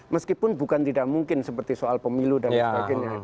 meskipun bukan tidak mungkin seperti soal pemilu dan sebagainya